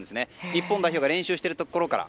日本代表が練習しているところから。